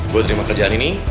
gue terima kerjaan ini